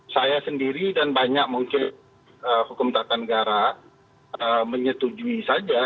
saya sendiri dan banyak mungkin hukum ketatanegaraan menyetujui saja